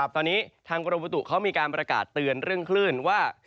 ตอนนี้ทางกรมบุตุเขามีการประกาศเตือนเรื่องคลื่นว่า